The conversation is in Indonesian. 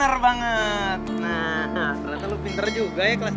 nah ternyata lo pinter juga ya kelas tiga sma